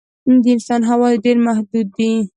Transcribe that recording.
د انسان حواس ډېر محدود دي.